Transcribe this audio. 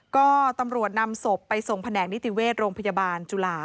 ก็ตำรวจนำศพไปส่งแผนกนิติเวชโรงพยาบาลจุฬา